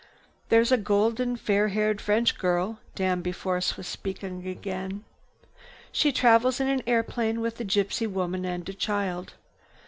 "There's a golden haired French girl," Danby Force was speaking again. "She travels in an airplane with a gypsy woman and a child.